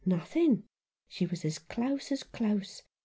" "Nothing. She was as close as close.